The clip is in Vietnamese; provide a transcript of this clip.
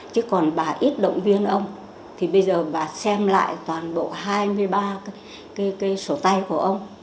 chứ còn bà ít động viên ông thì bây giờ bà xem lại toàn bộ hai mươi ba cái sổ tay của ông